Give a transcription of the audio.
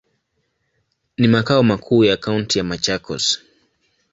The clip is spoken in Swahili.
Ni makao makuu ya kaunti ya Machakos.